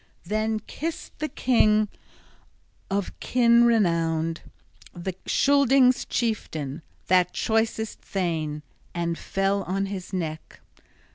Then kissed the king of kin renowned, Scyldings' chieftain, that choicest thane, and fell on his neck.